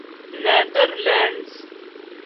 neither lands